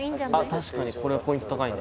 確かにこれはポイント高いね。